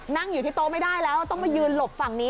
นั่งอยู่ที่โต๊ะไม่ได้แล้วต้องมายืนหลบฝั่งนี้